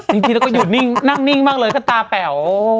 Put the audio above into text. จริงแล้วก็อยู่นิ่งนั่งนิ่งมากเลยก็ตาแป๋ว